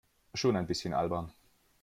Schon ein bisschen albern.